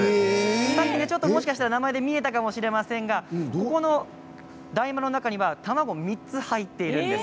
さっき、もしかしたら名前で見えたかもしれませんが大丸の中には卵３つ入っているんです。